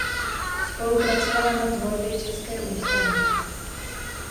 Spolupracovala na tvorbě české Ústavy.